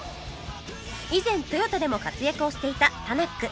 以前トヨタでも活躍をしていたタナック